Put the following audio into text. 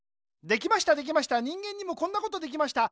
できましたできました人間にもこんなことできました。